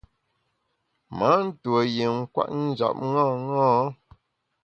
Ma tuo yin kwet njap ṅaṅâ.